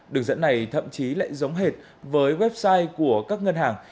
đường dẫn này thậm chí lại giống hệt với website của các ngân hàng